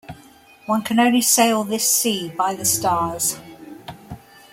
One can only sail this sea by the stars.